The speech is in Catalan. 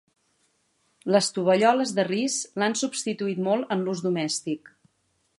Les tovalloles de ris l'han substituït molt en l'ús domèstic.